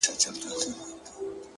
• په خندا کي به ناڅاپه په ژړا سي,